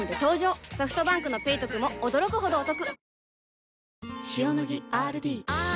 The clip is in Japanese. ソフトバンクの「ペイトク」も驚くほどおトク